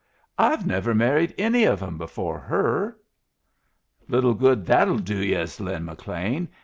I've never married any of 'em before her." "Little good that'll do yus, Lin McLean!